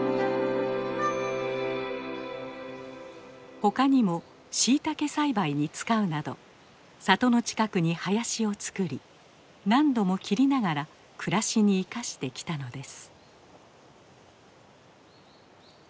他にもシイタケ栽培に使うなど里の近くに林を造り何度も切りながら暮らしに生かしてきたのです。